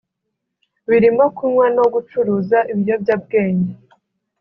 birimo kunywa no gucuruza ibiyobyabwenge